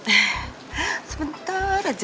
eh sebentar aja